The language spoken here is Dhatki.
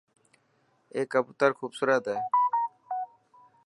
اي ڪبوتر خوبسورت هي.